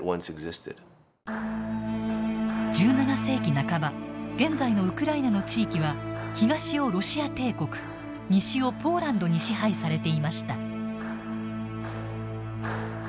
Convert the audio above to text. １７世紀半ば現在のウクライナの地域は東をロシア帝国西をポーランドに支配されていました。